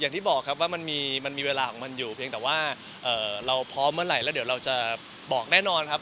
อย่างที่บอกครับไว้มีเวลาอยู่เพียงแต่ว่าเราพร้อมเมื่อไหร่เราจะบอกแน่นอนครับ